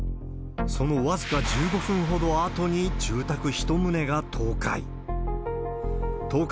その僅か１５分ほどあとに住宅１棟が倒壊。